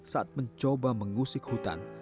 saat mencoba mengusik hutan